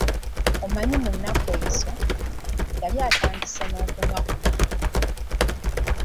Omanyi mu nnaku ezo, yali atandise n'okunywa ku mwenge.